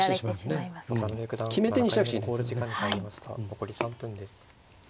残り３分です。